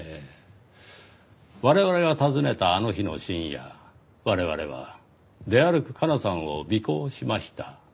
我々が訪ねたあの日の深夜我々は出歩く加奈さんを尾行しました。